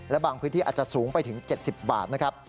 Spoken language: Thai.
และบางพื้นที่อาจจะสูงไปถึง๗๐บาทนะครับ